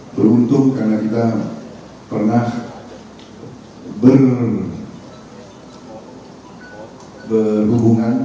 beruntung karena kita pernah berhubungan